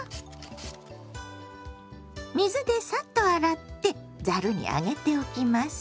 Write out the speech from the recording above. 水でサッと洗ってざるに上げておきます。